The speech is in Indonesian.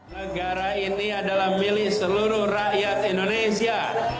negara ini adalah milik seluruh rakyat indonesia